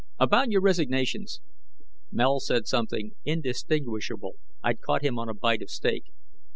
About your resignations " Mel said something indistinguishable I'd caught him on a bite of steak.